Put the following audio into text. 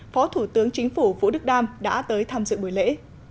phó thủ tướng chính phủ vũ đức đam đã tới tham dự buổi lễ